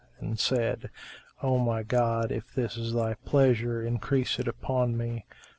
and said, "O my God, if this be Thy pleasure, increase it upon me!